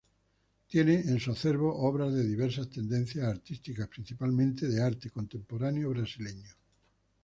Tiene en su acervo obras de diversas tendencias artísticas, principalmente de arte contemporáneo brasileño.